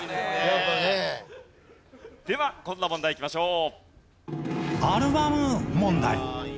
ではこんな問題いきましょう。